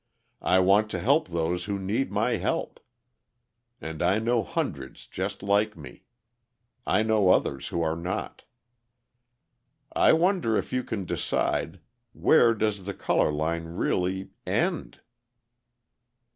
I want to help those who need my help. And I know hundreds just like me: I know others who are not. "I wonder if you can decide: 'Where does the colour line really end?'"